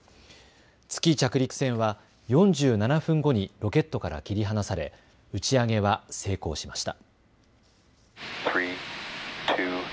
月着陸船は４７分後にロケットから切り離され打ち上げは成功しました。